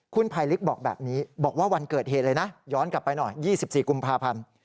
คุณภัยลิกบอกแบบนี้บอกว่าวันเกิดเหตุเลยนะย้อนกลับไปหน่อย๒๔กุมภาพันธ์